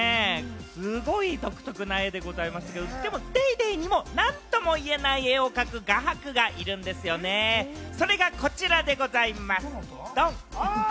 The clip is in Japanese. すごい独特な絵でございますけれども、でも『ＤａｙＤａｙ．』にも何とも言えない絵を描く画伯がいるんですよね、それが、こちらでございます、ドン！